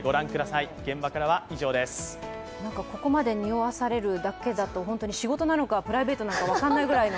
ここまでにおわさせるだけだと、仕事なのかプライベートなのか分からないくらいの。